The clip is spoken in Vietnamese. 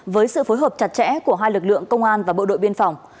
với sự phối hợp chặt chẽ của hai lực lượng công an và bộ đội biên phòng